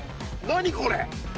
何これ？